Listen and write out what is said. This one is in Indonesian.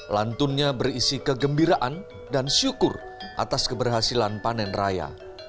lantunnya berisi kegembiraan dan syukur atas keberhasilan panen raya